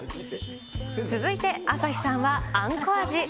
続いて朝日さんはあんこ味。